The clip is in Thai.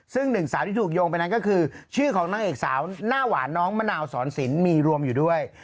ซึ่งหนึ่งสาวที่ถูกโยงไปนั้นก็คือชื่อของนางเอกสาวหน้าหวานน้องมะนาวสอนสินมีรวมอยู่ด้วย